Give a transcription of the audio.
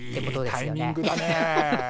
いいタイミングだね。